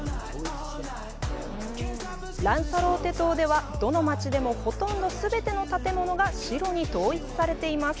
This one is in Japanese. ランサローテ島ではどの街でもほとんど全ての建物が白に統一されています。